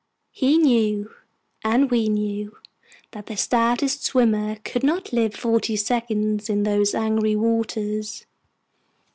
He knew, and we knew, that the stoutest swimmer could not live forty seconds in those angry waters.